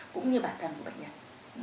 cũng như bản thân của bệnh nhân